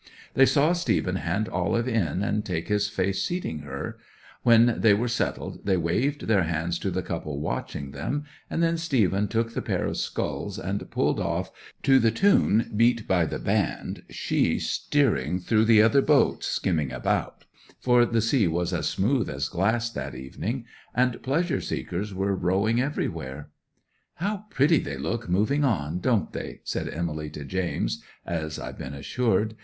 They saw Stephen hand Olive in, and take his seat facing her; when they were settled they waved their hands to the couple watching them, and then Stephen took the pair of sculls and pulled off to the tune beat by the band, she steering through the other boats skimming about, for the sea was as smooth as glass that evening, and pleasure seekers were rowing everywhere. '"How pretty they look moving on, don't they?" said Emily to James (as I've been assured).